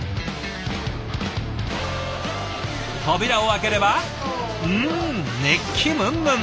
扉を開ければうん熱気ムンムン。